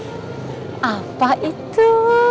eh apa itu